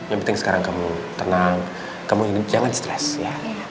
yang penting sekarang kamu tenang kamu ini jangan stres ya